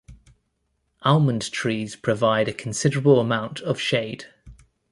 Almond trees provide a considerable amount of shade.